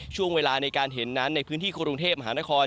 ช่วงเวลาในการเห็นนั้นในพื้นที่กรุงเทพมหานคร